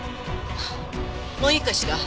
もういいかしら。